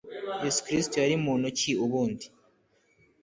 Yesu Kristo yari muntu ki ubundi